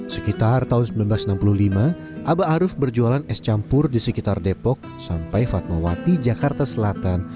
sekitar tahun seribu sembilan ratus enam puluh lima abah aruf berjualan es campur di sekitar depok sampai fatmawati jakarta selatan